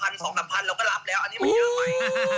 เราก็รับแล้วอันนี้เป็นอย่างไร